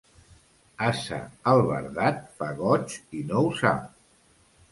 Ase albardat fa goig i no ho sap.